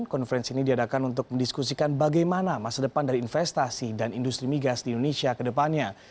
konferensi ini diadakan untuk mendiskusikan bagaimana masa depan dari investasi dan industri migas di indonesia ke depannya